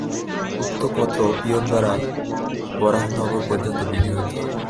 উক্ত পত্র পিয়ন দ্বারা বরাহনগর পর্যন্ত বিলি হইত।